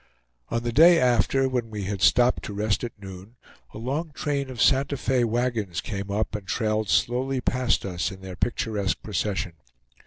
On the day after, when we had stopped to rest at noon, a long train of Santa Fe wagons came up and trailed slowly past us in their picturesque procession.